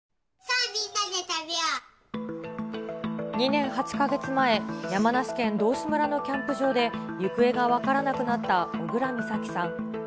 ２年８か月前、山梨県道志村のキャンプ場で行方が分からなくなった小倉美咲さん。